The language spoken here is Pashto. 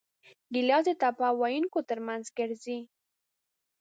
ګیلاس د ټپه ویونکو ترمنځ ګرځي.